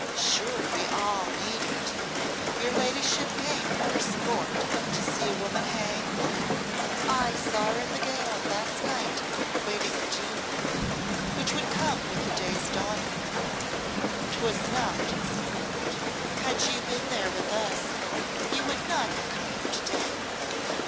Sure we all need it. Your ladyship came for sport to see a woman hang? I saw her in the gaol last night waiting her doom, which would come with the day's dawning. 'Twas not sport. Had you been there with us, you would not have come here to day.